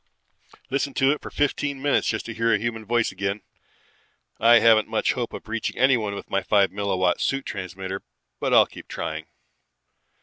Listened to it for fifteen minutes just to hear a human voice again. I haven't much hope of reaching anyone with my five milliwatt suit transmitter but I'll keep trying.